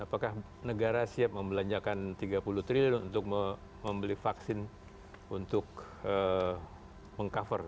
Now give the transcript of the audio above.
apakah negara siap membelanjakan tiga puluh triliun untuk membeli vaksin untuk meng cover